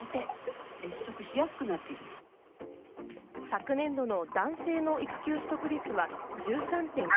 昨年度の男性の育休取得率が１３．９％。